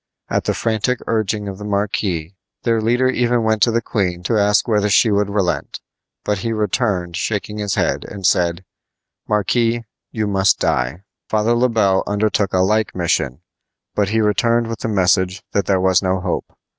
At the frantic urging of the marquis their leader even went to the queen to ask whether she would relent; but he returned shaking his head, and said: "Marquis, you must die." Father Le Bel undertook a like mission, but returned with the message that there was no hope.